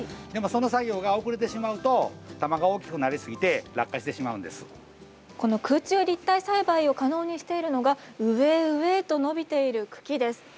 でもその作業が遅れてしまうと玉が大きくなりすぎてこの空中立体栽培を可能にしているのが上へ上へと伸びている茎です。